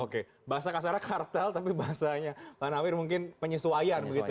oke bahasa kasarnya kartel tapi bahasanya pak nawir mungkin penyesuaian begitu ya